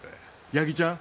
矢木ちゃん